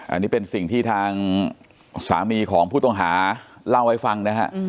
อันนี้เป็นสิ่งที่ทางสามีของผู้ต้องหาเล่าให้ฟังนะฮะ